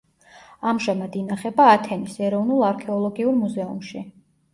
ამჟამად ინახება ათენის ეროვნულ არქეოლოგიურ მუზეუმში.